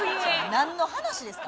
何の話ですか？